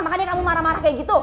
makanya kamu marah marah kayak gitu